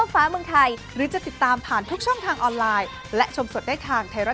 บรรเทิงไทยรัฐ